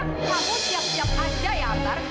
kamu siap siap aja ya antar